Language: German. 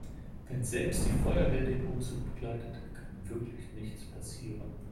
Wenn selbst die Feuerwehr den Umzug begleitet, kann wirklich nichts passieren.